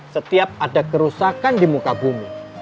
setiap ada kerusakan di muka bumi